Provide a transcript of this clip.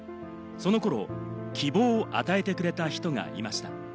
その頃、希望を与えてくれた人がいました。